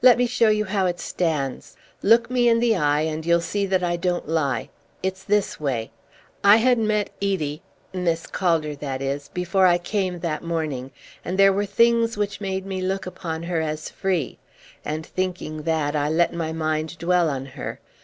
"Let me show you how it stands. Look me in the eye, and you'll see that I don't lie. It's this Way. I had met Edi Miss Calder that is before I came that morning, and there were things which made me look upon her as free; and, thinking that, I let my mind dwell on her.